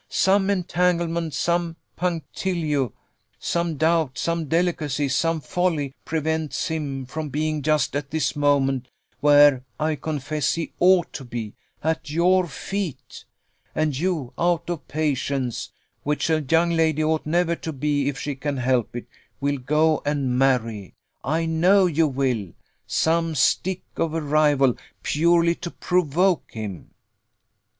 Some entanglement, some punctilio, some doubt, some delicacy, some folly, prevents him from being just at this moment, where, I confess, he ought to be at your feet; and you, out of patience, which a young lady ought never to be if she can help it, will go and marry I know you will some stick of a rival, purely to provoke him."